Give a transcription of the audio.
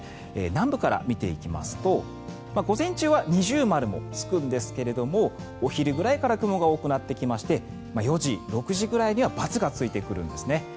南部から見ていきますと午前中は二重丸もつくんですがお昼ぐらいから雲が多くなってきまして４時、６時ぐらいにはバツがついてくるんですね。